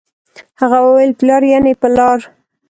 هغه وويل پلار يعنې په لار